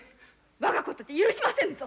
我が子とて許しませぬぞ。